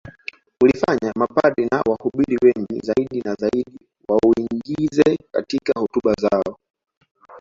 Ulifanya mapadri na wahubiri wengi zaidi na zaidi wauingize katika hotuba zao